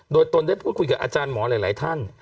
โดยตนได้พูดคุยกับอาจารย์หมอหลายท่าน